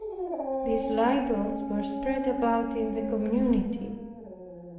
These libels were spread about in the community.